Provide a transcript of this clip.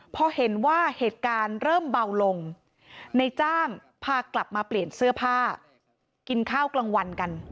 พอเห็นว่าเหตุการณ์เริ่มเบาลงในจ้างพากลับมาเปลี่ยนเสื้อผ้ากินข้าวกลางวันกัน